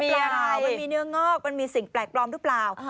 มีอะไรมันมีเนื้องอกมันมีสิ่งแปลกปลอมหรือเปล่า